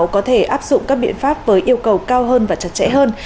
có thể áp dụng các biện pháp với yêu cầu cao hơn và chặt chẽ hơn